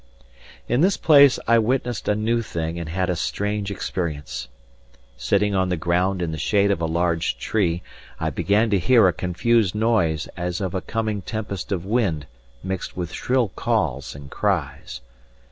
In this place I witnessed a new thing and had a strange experience. Sitting on the ground in the shade of a large tree, I began to hear a confused noise as of a coming tempest of wind mixed with shrill calls and cries.